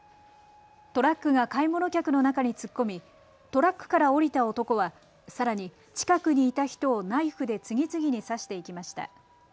トラックが買い物客の中に突っ込みトラックから降りた男はさらに近くにいた人をナイフで次々に刺していきました。